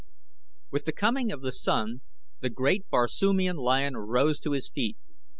With the coming of the Sun the great Barsoomian lion rose to his feet.